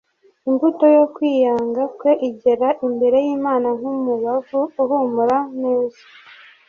imbuto yo kwiyanga kwe igera imbere y’Imana nk’umubavu uhumura neza.